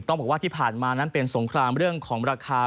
บอกว่าที่ผ่านมานั้นเป็นสงครามเรื่องของราคา